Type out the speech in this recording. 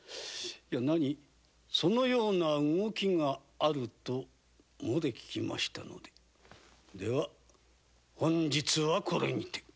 何やらそのような動きがあると漏れ聞きましたのででは本日はこれにて。